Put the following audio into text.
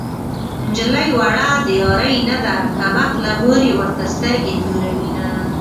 نجلۍ وړه د يارۍ نه ده کم عقله مور يې ورته سترګې توروينه